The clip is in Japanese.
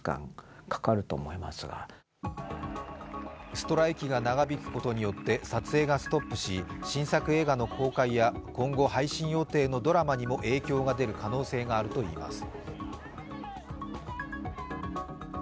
ストライキが長引くことによって撮影がストップし新作映画の公開や今後配信予定のドラマにも影響が出る可能性があるといいます。